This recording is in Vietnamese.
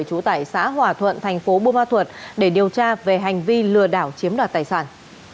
trú tại xã hòa thuận thành phố bô ma thuật để điều tra về hành vi lừa đảo chiếm đoạt tài sản